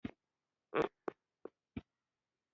هغې وویل خو زه به تل له تا سره یم.